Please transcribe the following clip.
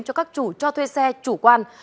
cho các chủ cho thuê xe chủ quan